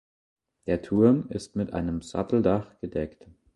Der Turm ist mit einem Satteldach gedeckt.